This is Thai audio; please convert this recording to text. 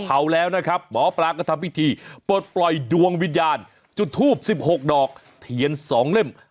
เผาแล้วนะครับหมอปลาก็ทำพิธีปลดปล่อยดวงวิญญาณจุดทูบ๑๖ดอกเทียน๒เล่ม